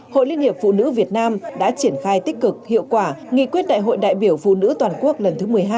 hội liên hiệp phụ nữ việt nam đã triển khai tích cực hiệu quả nghị quyết đại hội đại biểu phụ nữ toàn quốc lần thứ một mươi hai